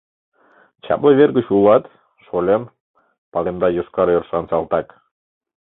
Чапле вер гыч улат, шольым! — палемда йошкар ӧрышан салтак.